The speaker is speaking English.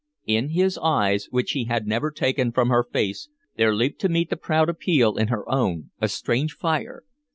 In his eyes, which he had never taken from her face, there leaped to meet the proud appeal in her own a strange fire.